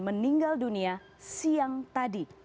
meninggal dunia siang tadi